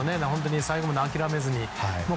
最後まで諦めずにね。